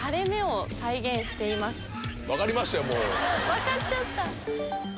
分かっちゃった！